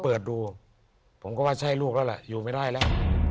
เปิดดูผมก็ว่าใช่ลูกแล้วแหละอยู่ไม่ได้แล้ว